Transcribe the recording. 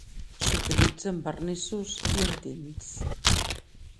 S'utilitza en vernissos i en tints.